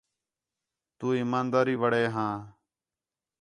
تو ایمانداری وݙے ھاں